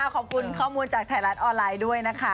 ขอบคุณข้อมูลจากไทยรัฐออนไลน์ด้วยนะคะ